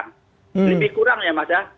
lebih kurang ya mas